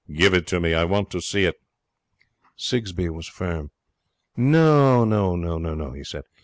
'Give it to me. I want to see it.' Sigsbee was firm. 'No,' he said.